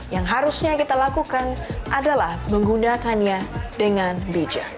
yang harusnya kita lakukan adalah menggunakannya dengan bijak